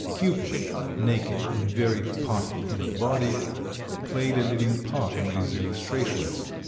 Cupid naked and very puffy in the body played a leading part in these illustrations.